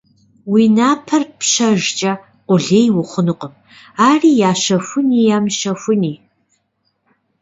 Уи напэр пщэжкӀэ къулей ухъунукъым, ари ящэхуни-ямыщэхуни.